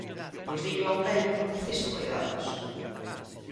Pois dillo a un vello que precise coidados.